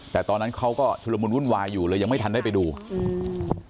แต่ตอนนั้นเขาก็ชุดละมุนวุ่นวายอยู่เลยยังไม่ทันได้ไปดูอืม